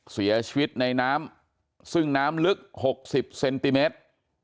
เสียชีวิตในน้ำซึ่งน้ำลึก๖๐เซนติเมตร